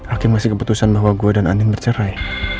akhirnya masih keputusan bahwa gua dan anin bercerai